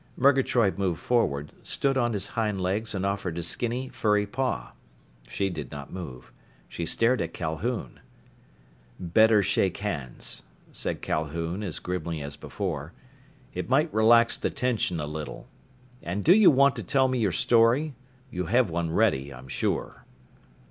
Murgatroyd moved forward, stood on his hind legs and offered a skinny, furry paw. She did not move. She stared at Calhoun. "Better shake hands," said Calhoun, as grimly as before. "It might relax the tension a little. And do you want to tell me your story? You have one ready, I'm sure."